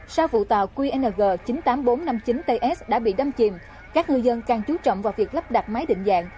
sau vụ tàu qng chín mươi tám nghìn bốn trăm năm mươi chín ts đã bị đâm chìm các ngư dân càng chú trọng vào việc lắp đặt máy định dạng